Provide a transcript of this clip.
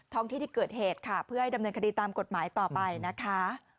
ห้องที่ที่เกิดเหตุค่ะเพื่อให้ดำเนินคดีตามกฎหมายต่อไปนะคะ